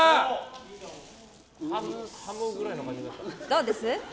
どうです？